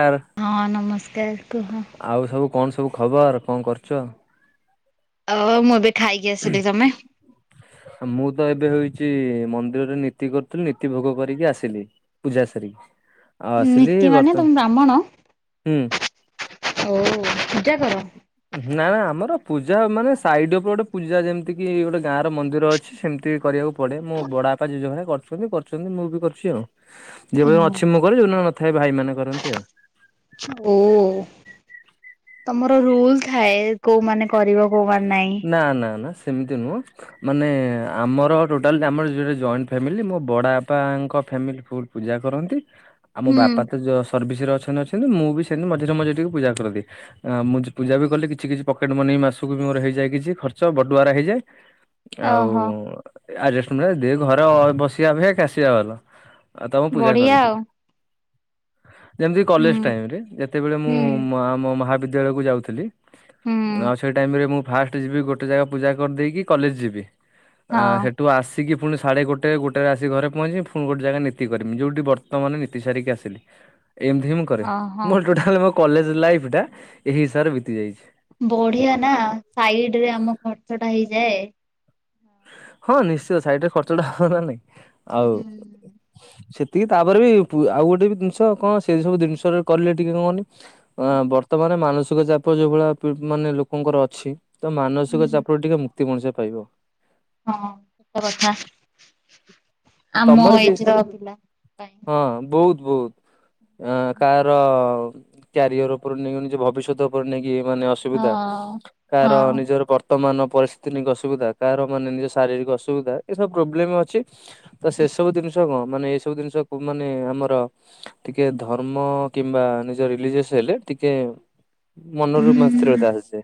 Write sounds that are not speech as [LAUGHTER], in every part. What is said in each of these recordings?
ଆଉ ହଁ ନମସ୍କାର କୁହ? ଆଉ ସବୁ କଣ ସବୁ ଖବର କଣ କରୁଛ? ଅ ମୁଁ ଏବେ ଖାଇକି ଆସିଲି ତମେ? ମୁଁ ତ ଏବେ ହେଉଛି ମନ୍ଦିରରେ ନୀତି କରୁଥିଲି ନୀତି ଭୋଗ କରିକି ଆସିଲି। ପୂଜା ସାରିକି, ଆଉ ଆସିଲି ନୀତି ମାନେ ବର୍ତ୍ତ ତମେ ହୁଁ। ହଉ ପୂଜା କର? ନା ନା ଆମର ପୂଜା ମାନେ ସାଇଡ୍ ଉପରେ ଗୋଟେ ପୂଜା ଯେମିତି କିି ଗୋଟେ ଗାଁ ର ମନ୍ଦିର ଅଛି। ସେମିତି ବି କରିବାକୁ ପଡ଼େ ମୋ ବଡ଼ ବାପା ଜେଜ ଭାଇ ମାନେ କରିଛନ୍ତି କରିଛନ୍ତି ମୁଁ ବି କରୁଛି ଆଉ। [INAUDIBLE] ଯେପର୍ଯ୍ଯନ୍ତ ଅଛି ମୁଁ କରେ ଯୋଉଦିନ ନଥାଏ ଭାଇମାନେ କରନ୍ତି ଆଉ। ଓ ତମର ରୁଲ୍ ଥାଏ କୋଉ ମାନେ କରିବ? କୋଉମାନେ ନାଇଁ। ନାଁ ନାଁ ନାଁ ସେମିତି ନୁହଁ। ମାନେ ଆମର ଟୋଟାଲି ଆମର ଜଏଣ୍ଟ ଫ୍ୟାମିଲି ମୋ ବଡ଼ ବାପାଙ୍କ ଫ୍ୟାମିଲି ଫୁଲ୍ ପୂଜା କରନ୍ତି ଆମ ହୁଁ ବାପା ସର୍ଭିସରେ ଅଛନ୍ତି ଅଛନ୍ତି, ମୁଁ ବି ସେମିତି ମଝିରେ ମଝିରେ ଟିକେ ପୂଜା କରନ୍ତି। ଆ ମୁଁ ପୂଜା ବି କଲେ କିଛି କିଛି ପକେଟ ମନି ମାସକୁ ମୋର ହେଇଯାଏ କିଛି ଖର୍ଚ୍ଚ ବଟୁଆରା ହେଇଯାଏ ଆଉ ଓହୋ ଆଡ୍ଜଷ୍ଟେମେ ଦେ ଘର ବସିବା ଅପେକ୍ଷା କାଶିବା ଭଲ। ଆଉ ତମ ପୂଜା ବଢିଆ ଆଉ। କରିଦିଏ। ଯେମିତି ହୁଁ କଲେଜ ଟାଇମ୍ ରେ ଯେତେବେଳେ ମୁଁ ହୁଁ ମୋ ଆମ ମହାବିଦ୍ୟାଳୟକୁ ଯାଉଥିଲି। ହୁଁ ଆଉ ସେଇ ଟାଇମ୍ ରେ ମୁଁ ଫାଷ୍ଟେ ଯିବି ଗୋଟେ ଜାଗା ପୂଜା କରିଦେଇକି କଲେଜ୍ ଯିବି। ହଁ ଆଁ ସେ ତୁ ଆସିକି ପୁଣି ସାଢେ ଗୋଟେ, ଗୋଟେ ଆସି ଘରେ ପହଞ୍ଚି ଫୁଣି ଗୋଟେ ଜାଗା ନିତି କରିମି ଯୋଉଠି ବର୍ତ୍ତମାନ ନିତି ସାରିକି ଆସିଲି। [INAUDIBLE] ଏମ୍ତି ହିଁ ମୁଁ କରେ ଓହୋ। ମୋ ଟୋଟାଲ୍ ମୋ କଲେଜ ଲାଇଫଟା ଏହି ହିସାବରେ ବିତିଯାଇଛି। ବଢିଆ ନା, ସାଇଡ୍ ରେ ଆମ ଖର୍ଚ୍ଚଟା ହେଇଯାଏ। ହଁ ନିଶ୍ଚୟ ସାଇଟ୍ ରେ ଖର୍ଚ୍ଚଟା ହବନା ନାଇଁ ଆଉ ହୁଁ ଟିକେ ତାପରେ ବି ଆଉ ଗୋଟେ ବି ଦିନସ କଣ ସେ ସବୁ ଦିନସରେ କଲେ ଟିକେ କଣନି ବର୍ତ୍ତମାନ ମାନସିକ ଚାପ ଯୋଉ ଭଳିଆ ମାନେ ଲୋକଙ୍କର ଅଛି। ତ ମାନସିକ ଚାପରୁ ଟିକେ ମୁକ୍ତି ମଣିଷ ପାଇବ। ହଁ ସତ କଥା। ଆମ ତମର ଏଜ କିଛ୍ ର ପିଲା। ପାଇଁ ହଁ ବହୁତ୍ ବହୁତ୍। ଆଁ କାହାର କ୍ୟାରିଅର ଉପରେ ନେଇଗନି ଯେ ଭବିଷ୍ୟତ ନେଇକି ମାନେ ହଁ ଅସୁବିଧା କାହାର ହଁ ନିଜର ପର ବର୍ତ୍ତମାନ ପରିସ୍ଥିତି ନେଇକି ଅସୁବିଧା, କାହାର ମାନେ ନିଜ ଶାରୀରିକ ଅସୁବିଧା ଏସବୁ ପ୍ରୋବ୍ଲେମ୍ ଅ ଛି ତ ସେ ସବୁ ଦିନିଷ କଣ ମାନେ ଏଇ ସବୁ ଦିନିଷ ମାନେ ଆମର ଟିକେ ଧର୍ମ କିମ୍ବା ନିଜ ରିଲିଜେସ୍ ହେଲେ ଟିକେ ମନରୁ ହୁଁ। ମସ୍ଥିରତା ଆସେ,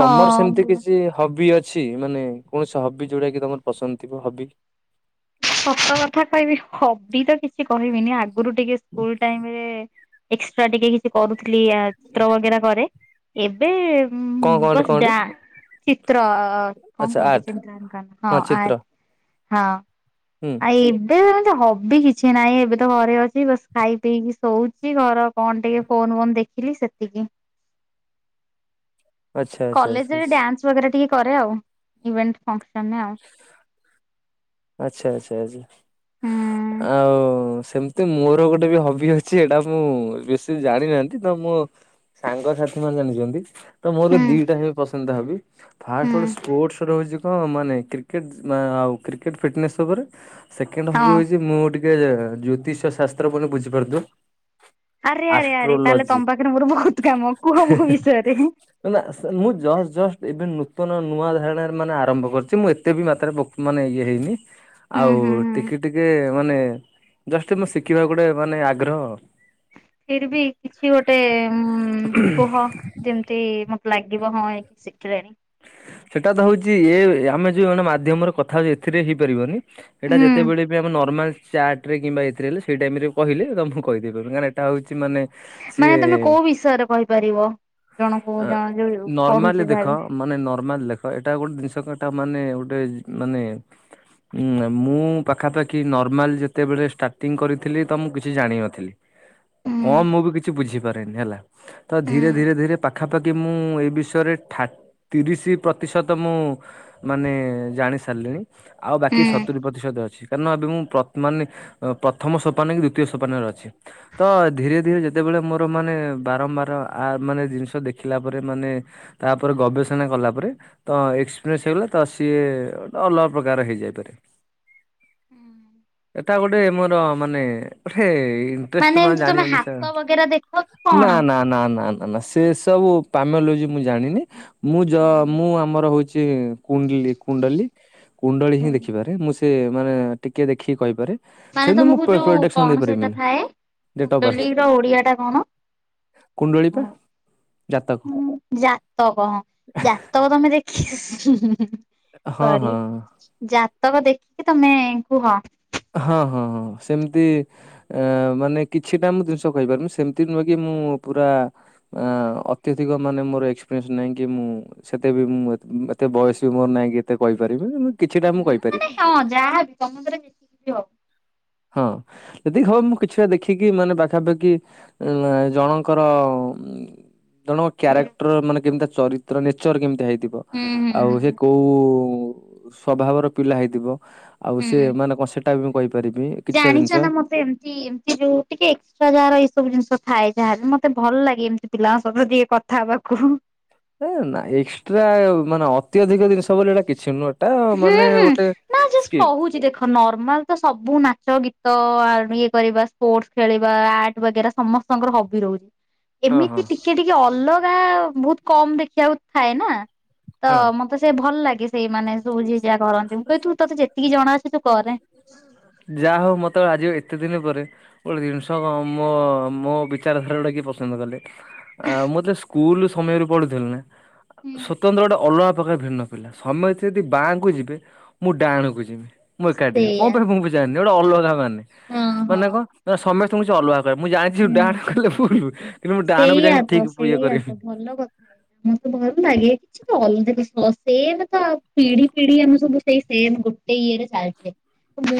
ତମର ସେମିତି ଭଲ। କିଛି ହବି ଅଛି? ଅଛି ମାନେ କୌଣସି ହବି ଯୋଉଟା କି ତମର ପସନ୍ଦ ଥିବ ହବି। ସତ କଥା କହିବି ହବି ତ କିଛି କହିବିନି ଆଗୁରୁ ଟିକେ ସ୍କୁଲ ଟାଇମ୍ ରେ ଏକ୍ସଟ୍ରା ଟିକେ କିଛି କରୁଥିଲି ଆ ଚିତ୍ର ବଗେରା କରେ। ଏବେ କଣ କଣଟେ ବସ୍ ଡା କଣଟେ ଚିତ୍ର। ଆଚ୍ଛା କଣ ଆର୍ଟ [UNINTELLIGIBLE] ହଁ ଆ ହଁ। ହୁଁ। ଆଉ ଏବେ ଏମନ୍ତି ହବି କିଛି ନାହିଁ ଏବେ ତ ଘରେ ଅଛି ବାସ୍ ଖାଇ ପିଇକି ଶୋଉଛି ଘର କଣ ଟିକେ ଫୋନ୍ ଫୋନ୍ ଦେଖିଲି ସେତିକି। ଆଚ୍ଛା ଆଚ୍ଛା ଆଚ୍ଛା କଲେଜେ ରେ ଡ୍ୟାନ୍ସ ବଗେରା ଟିକେ କରେ ଆଉ ଇଭେଣ୍ଟ୍ ଫଙ୍କ୍ ସନ୍ ରେ ଆଉ। ଆଚ୍ଛା, ଆଚ୍ଛା, ଆଛା ହୁଁ। ଆଉ ସେମନ୍ତି ମୋର ଗୋଟେ ବି ହବି ଅଛି ଏଇଟା ମୁଁ ବେଶୀ ଜାଣିନାହାନ୍ତି ତ ମୁଁ ସାଙ୍ଗ ସାାଥି ମାନେ ଜାଣିଛନ୍ତି ତ ମୋର ହୁଁ ଦିଟା ହିଁ ପସନ୍ଦ ହବି। ହୁଁ ଫାଷ୍ଟ୍ ଆଣ୍ଡ୍ ସ୍ପୋର୍ଟସ୍ ରହିଛି କଣ ମାନେ କ୍ରିକେଟ୍ ଆଉ କ୍ରିକେଟ୍ ଫିଟ୍ନେସ୍ ଉପରେ। ସେକେଣ୍ଡ୍ ହଁ। ହବି ହଉଛି ମୁଁ ଟିକେ ଜ୍ୟୋତିଷ ଶାସ୍ତ୍ର ବୋଲେ ବୁଝିପାରୁଥିବ। ଆରେ ଆରେ ଆରେ ତାହେଲେ ଆଷ୍ଟ୍ରୋଲୋଜି। ତମ ପାଖରେ ମୋର ବହୁତ କାମ କୁହ ମୋ ବିଷୟରେ। ମୁଁ ଜଷ୍ଟ ଜଷ୍ଟ ଏବେ ନୂତନ ନୂଆ ଧାରଣାରେ ମାନେ ଆରମ୍ଭ କରିଛି ମୁଁ ଏତ ଏତେ ବି ମାତ୍ରାରେ ମାନେ ଇଏ ହେଇନି ହୁଁ ଆଉ ହୁଁ ହୁଁ ଟିକେ ଟିକେ ମାନେ ଜଷ୍ଟ ମୁଁ ଶିଖିବାକୁ ଗୋଟେ ମାନେ ଆଗ୍ରହ। ଫିର ବି କିଛି ଗୋଟେ ଉ କୁହ ଯେମିତି ମ ଲାଗିବ ହଁ ଏଇ ଶିଖିଲାଣି। ସେଇଟା ତ ହଉଛି ଏ ଆମେ ଯଉ ଜଣେ ମାଧ୍ୟମରେ କଥା ହଉଚେ ଏଥିରେ ହେଇପାରିବନି। ଏଇଟା ହୁଁ ଯେତେବେଳେ ବି ଆମ ନର୍ମାଲ ଚାଟ ରେ କିମ୍ବା ଏଥିରେଲେ ସେଇ ଟାଇମ ରେ କହିଲେ ତ ମୁକୁଁ କହିଦେଇ ପାରିବି କ ଏଟା ହଉଛି ମାନେ ମାନେ ତମେ ସିଏ କୋଉ ବିଷୟରେ କହିପାରିବ ଜଣଙ୍କୁ ଜଣ ଯୋଉ ନର୍ମାଲି ପଢୁଛି ଭ ଦେଖ ମାନେ ନର୍ମାଲ ଲେଖ ଏଇଟା ଗୋଟେ ଜିନିଷ ଏଟା ମାନେ ଗୋଟେ ମାନେ ମୁଁ ପାଖାପାଖି ନର୍ମାଲ ଯେତେବେଳେ ଷ୍ଟାର୍ଟିଂ କରିଥିଲି ତ ମୁଁ କିଛି ଜାଣିନଥିଲି। ହୁଁ କଣ ମୁଁ ବି କିଛି ବୁଝିପାରେନି ହେଲା। ତ ହୁଁ ଧୀରେ ଧୀରେ ଧୀରେ ପାଖାପାଖି ମୁଁ ଏ ବିଷୟରେ ଠା ତିରିଶ ତିରିଶ ପ୍ରତିଶତ ମୁଁ ମାନେ ଜାଣି ସାରିଲିଣି ଆଉ ହୁଁ। ବାକି ସତୁରି ପ୍ରତିଶତ ଅଛି। କାରଣ ଏବେ ମୁଁ ମାନେ ପ୍ରଥମ ସୋପାନ କି ଦିତୀୟ ସୋପାନରେ ଅଛି। ତ ଧୀରେ ଧୀରେ ଯେତେବେଳେ ମୋର ମାନେ ବାରମ୍ବାର ଆ ମାନେ ଜିନିଷ ଦେଖିଲା ପରେ ମାନେ ତାପରେ ଗବେଷଣା କଲା ପରେ ତ ଏକ୍ସପିରିଏନ୍ସ ହେଇଗଲା ତ ସିଏ ଅଲଗା ପ୍ରକାର ହେଇଯାଇପାରେ। ଏଟା ଗୋଟେ ମୋର ମାନେ ଗୋଟେ ମାନେ ଇନଷ୍ଟ୍ର ମା ଏମିତି ତମେ ଜାଣିବା ନିଶା ହାତ ବଗେରା ଦେଖ କି କଣ? ସେ ସବୁ ପାମୋଲୋଜି ମୁଁ ଜାଣିନି ମୁଁ ଯ ହୁଁ ମୁଁ ଆ ଆମର ହଉଚି କୁଣ୍ଡଲି କୁଣ୍ଡଲି। କୁଣ୍ଡଳୀ ହିଁ ହୁଁ। ଦେଖିପାରେ ମୁଁ ସେ ମାନେ ଟିକେ ଦେଖିକି କହିପାରେ। ମାନେ ସେମିତି ମୁଁ ତମକୁ ପ୍ର ଯୋଉ ପ୍ରୋଡକ୍ସନ କଣ ସେଇଟା ଦେଇପାରିବିନି ଥାଏ କୁଣ୍ଡଲି ର ଓଡିଆ ଟା କଣ? କୁଣ୍ଡଳି ପା ହଁ ଜାତକ। ତକ ଜାତକ ତମେ ଦେଖି ହୁଁ ହୁଁ ହୁଁ ହଁ ସରି। ହଁ ଜାତକ ଦେଖିକି ତମେ କୁହ। ହଁ ହଁ ହଁ ସେମିତି ଏ ମାନେ କିଛିଟା ମୁଁ ଜିନିଷ କହିପାରେ ମୁଁ ସେମିତି ନୁହଁ କି ମୁଁ ପୁରା ଅତ୍ୟଧିକ ମାନେ ମୋର ଏକ୍ସପେରିଏନ୍ସ ନାହିଁ କି ମୁଁ ସେତେ ବି ମୁଁ ଏତେ ବୟସ ବି ମୋର ନାହିଁ କି ଏତେ କହିପାରିବି ମୁଁ କିଛିଟା ମୁଁ କହିପାରିବି। ଯାହାବ ତମ ଦ୍ୱାରା [UNINTELLIGIBLE] ହଁ ଯେତିକି ହବ ମୁଁ କିଛିଟା ଦେଖିକି ମାନେ ପାଖାପାଖି ଉଁ ଜଣଙ୍କର ଜଣଙ୍କ ହୁଁ କ୍ୟାରେକ୍ଟର ମାନେ କେମିତିଆ ଚରିତ୍ର ନେଚର କେମିତି ହେଇ ତିବ ହୁଁ ଆଉ ସେ ହୁଁ କୋଉ ସ୍ଵଭାବର ପିଲା ହେଇଥିବ? ଆଉ ସେ ମାନେ କଣ ସେଟା ବି ମୁଁ କହିପାରିବି। କିଛିଟା ଜିନିଷ ଜାଣିଚ ନା ମତେ ଏମତି ଏମତି ଯୋଉ ଟିକେ ଏକ୍ସଟ୍ରା ଯାହାର ଏଇ ସବୁ ଜିନିଷ ଥାଏ ଯାହାର ମତେ ଭଲ ଲାଗେ ଏମିତି ପିଲାଙ୍କ ସହିତ ଟିକେ କଥା ହବାକୁ। ଏ ନା ଏକ୍ସଟ୍ରା ମାନେ ଅତ୍ୟଧିକ ଜିନିଷ ବୋଲି ହେଟା କିଛି ନୁହଁ। ଟା ହୁଁ ମାନେ ହୁଁ ଗୋଟେ ନା ଜଷ୍ଟ ସ୍କିଲ୍। କହୁଛି ଦେଖ ନର୍ମାଲ ତ ସବୁ ନାଚ ଗୀତ ଇଏ କରିବା ସ୍ପୋର୍ଟସ୍ ଖେଳିବା ଆର୍ଟ ବଗେରା ସମ ସାଙ୍ଗର ହବି ରହୁଚି। ହଁ ଏମିତି ହଁ ଟିକେ ଟିକେ ଅଲଗା ବହୁତ କମ୍ ଦେଖିବାକୁ ଥାଏ ନା ହଁ। ତ ମତେ ସେ ଭଲ ଲାଗେ ସେଇମାନେ ସବୁ ଯିଏ ଯାହା କରନ୍ତି ମୁଁ [UNINTELLIGIBLE] ତୁ ତୋତେ ଯେତିକି ଜଣା ଅଛି ତୁ କରେ। ଯାହା ହଉ ମତେ ଆଜି ଏତେ ଦିନି ପରେ ଗୋଟେ ଜିନିଷ କ ମୋ ମୋ ବିଚାରଧାରା ଟା କିଏ ପସନ୍ଦ କଲେ। ଆ ମୁଁ ଯେତବେଳେ ସ୍କୁଲ ସମୟରୁ ପଢୁଥିଲି ନା ସ୍ଵତନ୍ତ୍ର ଗୋଟେ ଅଲଗା ପ୍ରକାର ଭିନ୍ନ ପିଲା ସମସ୍ତେ ଯଦି ବାଙ୍କୁ ଯିବେ ମୁଁ ଡାହାଣକୁ ଜିମି ମୁଁ ଏକାଟିଆ। କଣ ସେଇଆ ପାଇଁ ମୁଁ ବି ଜାଣିନି ଗୋଟେ ଅଲଗା ମାନେ ହଁ ହଁ। ମାନେ କଣ ନା ସମସ୍ତେ ଙ୍କୁ କିଛି ଅଲଗା ମୁଁ ଜାଣିଛି ଡ଼ାହାଣା ହୁଁ। କଲେ ଭୁଲୁ। ସେଇଆ ତ ସେଇଆ ତ ଭଲ କଥା ମୁଁ ତ ଘରୁ ମାଗେ। ଛି ତ ଅଲଗା ଦୋଷ ସେଆତ ପିଢି ପିଢି ଆମେ ସବୁ ସେଇ ସେମ ଗୋଟେ ଇଏରେ ଚାଲିଛେ।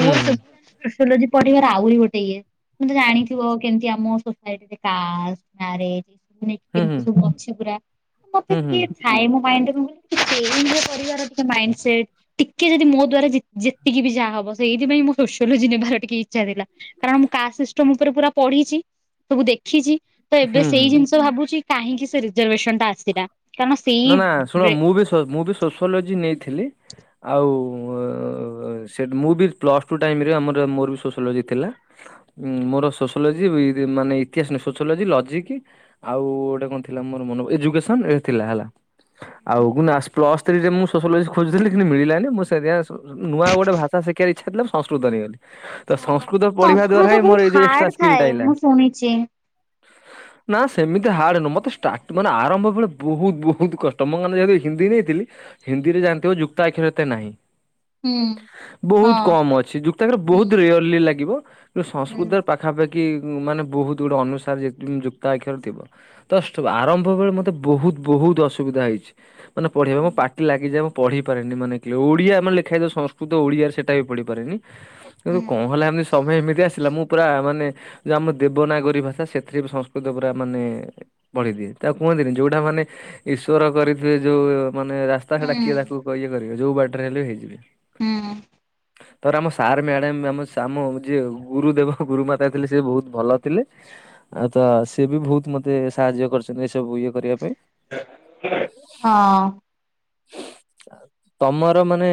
ହୁଁ ହୁଁ ସେଗୁଡା ଜୁଲୋଜୀ ପଢିବାର ଆହୁରି ଗୋଟେ ଇଏ ତମେ ତ ଜାଣିଥିବ କେମିତି ଆମ ସୋସାଇଟିରେ କାଷ୍ଟ ମ୍ୟାରେଜ୍ ଏ ସବୁ ନେଇକି ହୁଁ କେମିତି ସବୁ ଅଛି ପୁରା ମତେ ହୁଁ ହୁଁ ହୁଁ ଟିକେ ଥାଏ ମୋ ମାଇଣ୍ଡ ରେ କଣ କଇଲ [UNINTELLIGIBLE] କରିବାର ଟିକେ ମାଇଣ୍ଡ ସେଟ୍। ଟିକେ ଯଦି ମୋ ଦ୍ଵାର ଯେ-ଯେତିକି ବି ଯାହା ହବ ସେଇଥିପାଇଁ ମୁଁ ସୋସିଓଲୋଜି ନେବାର ଟିକେ ଇଚ୍ଛା ଥିଲା। କାରଣ ମୁଁ କାଷ୍ଟ ସିଷ୍ଟମ ଉପରେ ପୁରା ପଢିଛି ସବୁ ଦେଖିଛି। ତ ଏବେ ହୁଁ ହୁଁ ସେଇ ଜିନିଷ ଭାବୁଛି କାହିଁକି ସେ ରିଜର୍ଭେସନ ଟା ଆସିଲା? କାରଣ ସେଇ ନା ନା ଶୁଣ ବ୍ରେ ମୁଁ ବି ସୋ ମୁଁ ବି ସୋସିଓଲୋଜି ନେଇଥିଲି। ଆଉ ସେ ମୁଁ ବି ପ୍ଲସ୍ ଟୁ ଟାଇମରେ ଆମର ମୋର ବି ସୋସିଓଲୋଜି ଥିଲା। ଉ ମୋର ସୋସିଓଲୋଜି ଇ ମାନେ ଇତିହାସ ନୁହେଁ ସୋସିଓଲୋଜି ଲଜିକ୍ ଆଉ ଗୋଟେ କଣ ଥିଲା ମୋର ମନେ ପ ଏଜୁକେସନ ଏ ଥିଲା ହେଲା। ଆଉ ଗୁନା ପ୍ଲସ୍ ଥ୍ରୀ ରେ ମୁଁ ସୋସିଓଲୋଜି ଖୋଜୁଥିଲି କିନ୍ତୁ ମିଳିଲାନି ମୁଁ ସେଥିପାଇଁ ନୂଆ ଗୋଟେ ଭା ଷା ଶିଖିବାର ଇଚ୍ଛା ଥିଲା ମୁଁ ସଂସ୍କୃତ ନେଇଗଲି। ତ ସଂସ୍କୃତ ପଢିବା ଦ୍ଵାରା ସଂସ୍କୃତ ହିଁ ବହୁତ ମୋର ଏଇ ଯଉ ଏକ୍ସଟ୍ରା ହାର୍ଡ ସ୍କିଲ୍ ଟା ଥାଏ ଆଇଲା। ମୁଁ ଶୁଣିଛି। ନା ସେମିତି ହାର୍ଡ ନୁହଁ ମତେ ଷ୍ଟାର୍ଟ ମାନେ ଆରମ୍ଭ ବୁଳୁ ବହୁତ ବହୁ ବହୁତ କଷ୍ଟ ମୋ ମନେ ଯେହେତୁ ହିନ୍ଦୀ ନେଇଥିଲି ହିନ୍ଦୀ ରେ ଜାଣିଥିବ ଯୁକ୍ତା ଆକ୍ଷର ଏତେ ନାହିଁ। ହୁଁ ବହୁତ ହଁ। କମ ଅଛି ଯୁକ୍ତାକ୍ଷର ହୁଁ ବହୁତ ରେୟର୍ଲି ଲାଗିବ କିନ୍ତୁ ହୁଁ ସଂସ୍କୃତରେ ପା ପାଖାପାଖି ମାନେ ବହୁତ ଗୁଡେ ଅନୁସାରେ ଯୁକ୍ତାକ୍ଷର ଥିବ। ତଷ୍ଟ ଆରମ୍ଭ ବେଳେ ମତେ ବହୁତ ବହୁତ ଅସୁବିଧା ହେଇଛି ମାନେ ପଢେଇବା ମୋ ପା ଟି ଲାଗିଯାଏ ମୁଁ ପଢିପାରେନି ମାନେ କି ଲ ଓଡିଆ ମାନେ ଲେଖା ହେଇଥିବ ସଂସ୍କୃତ ଓଡ଼ିଆରେ ସେଟା ବି ପଢିପାରେନି। କିନ୍ତୁ ହୁଁ କଣ ହେଲା ଏମିତି ସମୟ ଏମିତି ଆସିଲା ମୁଁ ପୁରା ମାନେ ଯଉ ଆମ ଦେବନାଗରୀ ଭାଷା ସେଥିରେ ବି ସଂସ୍କୃତ ପୁରା ମାନେ ପଢିଦିଏ ତାକୁ କୁହନ୍ତିନି ଯଉଟା ମାନେ ଈଶ୍ୱର କରିଥିବେ ଯୋଉ ମାନେ ରାସ୍ତା ସେଟା ହୁଁ କିଏ ତାକୁ କ ଇଏ କରିବ ଯୋଉ ବାଟରେ ହେଲେ ହେଇଯିବେ। ହୁଁ ଥରେ ଆମ ସାର୍ ମ୍ୟାଡାମ ଆମ ସାମ ଯିଏ ଗୁରୁ ଦେବ ଗୁରୁମାତା ଥିଲେ ସେ ବହୁତ ଭଲ ଥିଲେ। ଆଉ ତ ସିଏ ବି ବହୁତ ମତେ ସାହାଯ୍ୟ କରିଛନ୍ତି ଏସବୁ ଇଏ କରି ହଁ। ଯାଉଛି। ତମର ମାନେ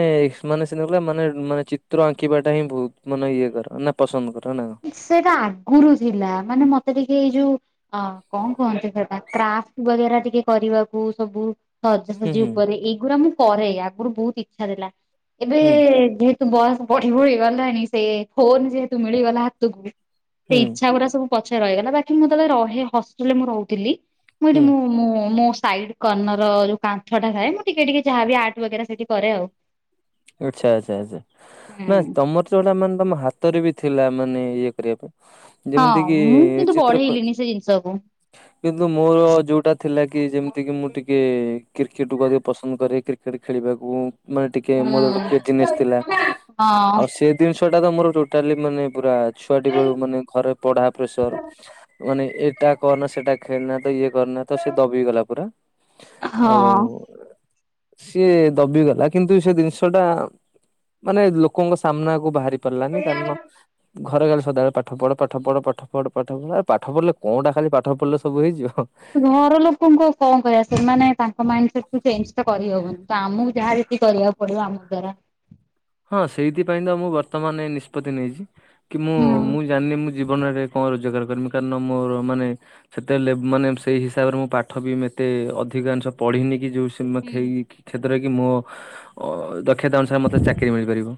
ମାନେ ସେ ନ କଲେ ମାନେ ମାନେ ଚିତ୍ର ଆଙ୍କିବା ଟା ହିଁ ବହୁତ ମନ ଇଏ କର ନା। ପସନ୍ଦ କର ନା। ସେଇଟା ଆଗୁରୁ ଥିଲା ମାନେ ମତେ ଟିକେ ଏଇ ଯୋଉ ଅ କଣ କୁହନ୍ତି ସେଟା କ୍ରାଫଟ୍ [UNINTELLIGIBLE] ଟିକେ କରିବାକୁ ସବୁ। ହୁଁ ସଜାସଜି ହୁଁ ଉପରେ ଏଗୁଡା ମୁଁ କରେ ଆଗୁରୁ ବହୁତ ଇଚ୍ଛା ଥିଲା ଏବେ ହୁଁ ଯେ ତ ବୟସ ବଢି ବଢି ଗଲାଣି ସେ ଫୋନ ଯେହେତୁ ମିଳିଗଲା ହାତକୁ ସେ ହୁଁ ଇଚ୍ଛା ଗୁରା ସବୁ ପଛେ ରହିଗଲା ବାକି ମୁଁ ଯେତେବେଳେ ରହେ ହଷ୍ଟେଲରେ ମୁଁ ରହୁଥିଲି ମୁଁ ଏଠି ହୁଁ ମୁଁ ମୁଁ ମୁଁ ସାଇଡ଼ କର୍ନର ଯୋଉ କାନ୍ଥ ଟା ଥାଏ ମୁଁ ଟିକେ ଟିକେ ଯାହାବି ଆର୍ଟ ବଗେରା ସେଠି କରେ ଆଉ। ଆଚ୍ଛା ଆଚ୍ଛା ଆଚ୍ଛା ନା ହୁଁ। ତମର ଯୋଉଟା ମାନେ ତମ ହାତରେ ବି ଥିଲା ମାନେ ଇଏ କରିବା ପାଇଁ ଯେମିତି ହଁ କିି ମୁଁ କିନ୍ତୁ ଚିତ୍ର କ ବଢେଇଲିନି ସେ ଜିନିଷକୁ। କିନ୍ତୁ ମୋର ଯୋଉଟା ଥିଲା କି ଯେମିତି କି ମୁଁ ଟିକେ କ୍ରିକେଟ କୁ ଅଧିକ ପସନ୍ଦ କରେ କ୍ରି କ୍ରିକେଟ ଖେଳିବାକୁ ମାନେ ଟିକେ ମୋର ଗୋଟେ ହୁଁ। କ୍ରେଜିନେସ୍ ଥିଲା ଆଉ ସେ ଜିନିଷ ଟା ତ ମୋର ଟୋଟାଲି ମାନେ ପୁରା ଛୁଆଟି ବେଳୁ ମାନେ ଘରେ ପଢା ପ୍ରେସର। ମାନେ ଏଟା କରନା ସେଟା ଖେଳନା ତ ଇଏ କରନା। ତ ସେ ଦବି ଗଲା ପୁରା ଆଉ ହଁ। ସିଏ ଦବିଗଲା କିନ୍ତୁ ସେ ଜିନିଷ ଟା ମାନେ ଲୋକଙ୍କ ସାମ୍ନାକୁ ବାହାରି ପାରିଲାନି କାରଣ ଘରେ ଖାଲି ସଦାବେଳେ ପାଠ ପଢ ପାଠ ପଢ଼ ପାଠ ପଢ ପାଠ ପଢ ଆ ପାଠ ପଢ଼ିଲେ କଣଟା ଖାଲି ପାଠ ପଢିଲେ ସବୁ ହେଇଯିବ। ଘର ଲୋକଙ୍କୁ ଆଉ କଣ କହିବା ସେମାନେ ତାଙ୍କ ମାଇଣ୍ଡ ସେଠୁ ଚେଞ୍ଜ ତ କରିହବନି ତ ଆମକୁ ଯାହା ଯେତିକି କରିବା ପଡିବ ଆମକୁ ଦ୍ୱାରା ହଁ ସେଇଥିପାଇଁ ତ ମୁଁ ବର୍ତ୍ତମାନ ନିଷ୍ପତି ନେଇଚି କି ମୁଁ ହୁଁ। ମୁଁ ଜାଣିନି ମୁଁ ଜୀବନରେ କଣ ରୋଜଗାର କରିବି କାରଣ ମୋର ମାନେ। ସେତେ ଲେବ୍ ମାନେ ସେଇ ହିସାବରେ ମୁଁ ପାଠ ବି ଏତେ ଅଧିକାଂଶ ପଢିନି କି ଯୋଉ ହୁଁ। ସିମକ୍ଷେଇ କ୍ଷେତରେ କି ମୋ ଅ ଦକ୍ଷତା ଅନୁସାରେ ମତେ ଚାକ୍ କିରି ମିଳିପାରିବ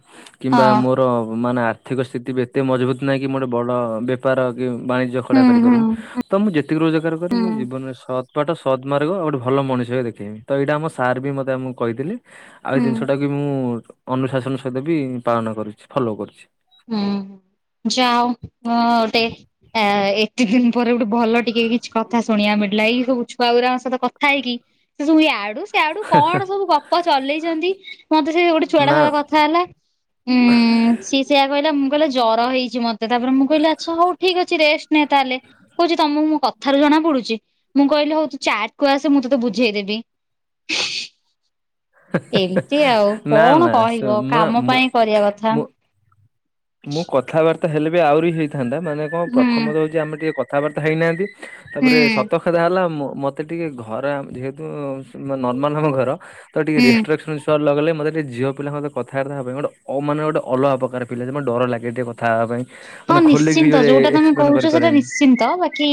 କିମ୍ବା ହଁ ମୋର ମାନେ ଆର୍ଥିକ ସ୍ଥିତି ବି ଏତେ ମଜବୁତ ନାହିଁ କି ମର ବଡ଼ ବେପ୍ ପାର କି ବାଣିଜ୍ୟ ଖଡା ହୁଁ ହୁଁ କରିପାରିବି ତ ମୁଁ ଯେତିକି ରୋଜଗାର କରେ ହୁଁ ମୁଁ ଜୀବନରେ ସତ୍ ବାଟ ସତମାର୍ଗ ଆଉ ଗୋଟେ ଭଲ ମଣିଷ ହେଇକି ଦେଖେଇବି ତ ଏଇଟା ଆମ ସାର୍ ବି ମତେ ଆମକୁ କହିଥିଲେ। ଆଉ ଏଇ ହୁଁ। ଜିନିଷଟା କି ମୁଁ ଅନୁଶାସନ ସହିତ ବି ପାଳନ କରୁଚି ଫଲୋ କରୁଚି। ହୁଁ ଯା ହଉ ଅଁ ଗୋଟେ ଆ ଏତେ ଦିନ ପରେ ଗୋଟେ ଭଲ ଟିକେ କିଛି କଥା ଶୁଣିବାକୁ ମିଳିଲା ଏଇ ସବୁ ଛୁଆଗୁରାଙ୍କ ସହିତ କଥା ହେଇକି। ସବୁ ଇଆଡୁ ସିଆଡୁ କଣ ସବୁ ଗପ ଚଲେଇଚନ୍ତି। ମୋତେ ସେ ଗୋଟେ ଛୁଆଟା ନା ସହ କଥା କଥା ହେଲା। ଉଁ ସିଏ ସେଇଆ କହିଲା। ମୁଁ କହିଲା ଜର ହେଇଚି ମତେ। ତାପରେ ମୁଁ କହିଲି ଆଚ୍ଛା ହଉ ଠିକ ଅଛି ରେଷ୍ଟ ନିଅ ତାହେଲେ। କହୁଚି ତମକୁ ମୋ କଥାରୁ ଜଣା ପଡୁଚି। ମୁଁ କହିଲି ହଉ ତୁ ଚାଟ କୁ ଆସେ ମୁଁ ତୋତେ ବୁଝେଇଦେବି। [UNINTELLIGIBLE] ଏମିତି ଆଉ ନା କଣ ନା କହିବ କାମ ମୁଁ ପାଇଁ କରିବା କଥା। ମୁଁ ମୁଁ କଥାବାର୍ତ୍ତା ହେଲେ ବି ଆହୁରି ହେଇଥାନ୍ତା ମାନେ କଣ ହୁଁ ପ୍ରଥମ ତ ହଉଚି ଆମେ ଟିକେ କଥାବାର୍ତ୍ତା ହେଇନାହାନ୍ତି। ହୁଁ ତାପରେ ସତ ହେଲା ହେଲା ମୋତେ ଟିକେ ଖରା ଯେହେତୁ ନର୍ମାଲ ଆମ ଘର। ତା ହୁଁ ରିଷ୍ଟ୍ରେକ୍ସନ। ସ ଲଗଲେ ମୋତେ ଟିକେ ଝିଅପିଲାଙ୍କ ସହିତ କଥାବାର୍ତ୍ତା ହେବା ପାଇଁ ଗୋଟେ ଅ ମାନେ ଗୋଟେ ଅଲଗା ପ୍ରକାର ଫିଲ ଆସେ ମାନେ ଡରଲାଗେ ଟିକେ କଥା ହେବା ପାଇଁ। ମାନେ ହଁ ଖୋଲିକି ନିଶ୍ଚିନ୍ତ ଯୋଉ ଯୋଉଟା ତମେ ଏକ୍ସପ୍ଲେନ କହୁଚ ସେଟା କରିପାରେନି ନିଶ୍ଚିନ୍ତ ବାକି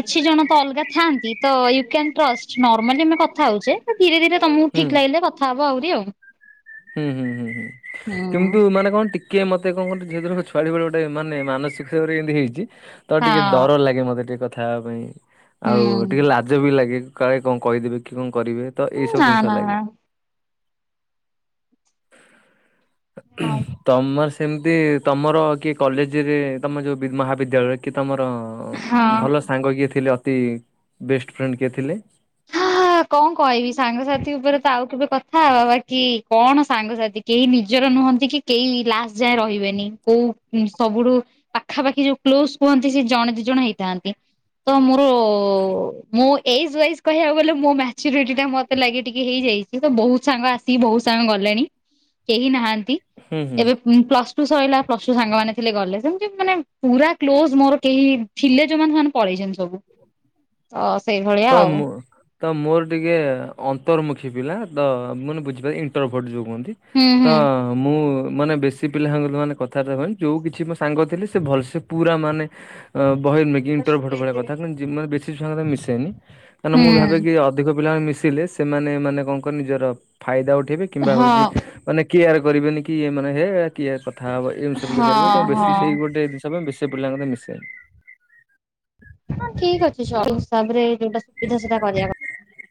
କିଛି ଜଣ ତ ଅଲଗା ଥାଆନ୍ତି ତ ଇଏ ଫ୍ରେଣ୍ଡ ଟ୍ରଷ୍ଟ ନର୍ମାଲି ଆମେ କଥା ହଉଚେ। ଧୀରେ ଧୀରେ ତମକୁ ହୁଁ। ଠିକ୍ ଲାଗିଲେ କଥା ହବ ଆହୁରି ଆଉ। ହୁଁ ହୁଁ ହୁଁ ହୁଁ ହୁଁ। କିନ୍ତୁ ମାନେ କଣକି। କିଏ ମୋତେ କଣ କରୁ ଯେହେତୁ ଛୁଆଟି ବେଳୁ ଗୋଟେ ମାନେ ମାନସିକ ଭାବେ ଏମିତି ହେଇଚି। ତ ଟିକେ ହଁ ଡର ଲାଗେ ମୋତେ ଟିକେ କଥା ହେବା ପାଇଁ। ଆଉ ଟିକେ ହୁଁ ଲାଜ ବି ଲାଗେ କାଳେ କଣ କହିଦେବେ କି କଣ କରିବେ। ତ ଏଇ ସବୁ ନା ଜିନିଷ ନା ନା ଲାଗେ। ହୁଁ ତମ ସେ। ସେମିତି ତମର କିଏ କଲେଜରେ ତମ ଯେଉଁ ମହାବିଦ୍ୟାଳୟରେ କି ତମର ହଁ। ଭଲ ସାଙ୍ଗ କିଏ ଥିଲେ। ଅତି ବେଷ୍ଟ ଫ୍ରେଣ୍ଡ କିଏ ଥିଲେ? ହା କଣ କହିବି ସାଙ୍ଗସାଥି ଉପରେ ତ ଆଉ କେବେ କଥାହବା। ବାକି କଣ ସାଙ୍ଗସାଥି। କେହି ନିଜର ନୁହନ୍ତି କି କେହି ଲାଷ୍ଟ ଯାଏ ରହିବେନି। କୋଉ ସବୁଠୁ ପାଖାପାଖି ଯୋଉ କ୍ଲୋଜ କୁହନ୍ତି ସେ ଜଣେ ଦି ଜଣ ହେଇଥାନ୍ତି। ତ ମୋର ମୁଁ ଏଜ୍ ୱାଇଜ କହିବାକୁ ଗଲେ ମୋ ମ୍ୟାଚୁରିଟି ଟା ମତେ ଲାଗେ ଟିକେ ହେଇଯାଇଚି। ତ ବହୁତ ସାଙ୍ଗ ଆସିକି ବହୁତ ସାଙ୍ଗ ଗଲେଣି। କେହି ନାହାନ୍ତି ହୁଁ ହୁଁ। ଏବେ - ପ୍ଲସ ଟୁ ସରିଲା ପ୍ଲସଟୁ ସାଙ୍ଗମାନେ ଥିଲେ ଗଲେ। ସେମତି ମାନେ ପୁରା କ୍ଲୋଜ ମୋର କେହି ଥିଲେ ଯୋଉମାନେ ସେମାନେ ପଳେଇଚନ୍ତି ସବୁ। ଅ ସେଇଭଳି। ତ ମୁଁ ତ ମୋର ଟିକେ ଅନ୍ତର୍ମୁଖୀ ପିଲା ତ ମାନେ ବୁଝିପାରେ ଇଣ୍ଟରଭୋଟ ଯୋଉ କୁହନ୍ତି। ହୁଁ ତ ହୁଁ। ମୁଁ ମାନେ ବେଶୀ ସେ ପିଲା ସାଙ୍ଗ ମାନେ କଥାବାର୍ତ୍ତା ଯୋଉ କିଛି ମୋ ସାଙ୍ଗ ଥିଲେ ସେ ଭଲସେ ପୁରା ମାନେ ଅ ବହେ ଇଣ୍ଟର ଭଟ ଭଳି କଥା ହୁଁ ମାନେ ଯ ମାନେ ବେଶୀ ସାଙ୍ଗ ତ ମିଶେନି ମାନେ ମୁଁ ଭାବେକି ଅଧିକ ପିଲାମାନେ ମିଶିଲେ ସେମାନେ ମାନେ କଣ କହିଲ ନିଜର ଫାଇଦା ଉଠେଇବେ। ହଁ କିମ୍ବା ହଉଚି ହଁ ମାନେ କେୟାର କରିବେନି କି ମାନେ ହେ କିଏ କଥା ହବ ଏମତି ସେମିତି କରିବେ ହଁ ତ ବେଶୀ ସେଇ ହଁ ଗୋଟେ ଜିନିଷ ପାଇଁ ବେଶୀ ପିଲାଙ୍କ ସହ ମିଶେନି। ହଁ ଠିକ ଅଛି ସବୁ ହିସାବରେ ଯୋଉଟା ସୁବିଧା ସେଟା କରିବା କଥା।